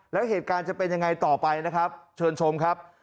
แล้วเหตุการณ์จะเป็นอย่างไรต่อไปชวนชมครับ